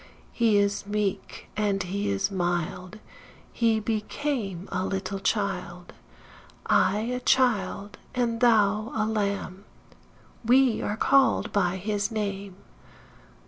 He is meek, & he is mild; He became a little child. I a child, & thou a lamb, We are called by his name.